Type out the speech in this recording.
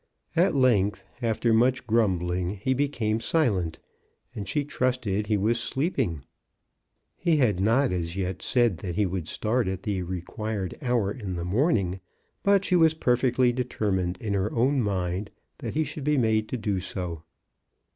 At length, after much grumbling, he became silent, and she trusted that he was sleeping. He had not as yet said that he would start at the required hour in the morning, but she was per fectly determined in her own mind that he should be made to do so.